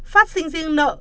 phát sinh riêng nợ